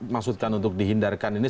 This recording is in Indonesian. maksudkan untuk dihindarkan ini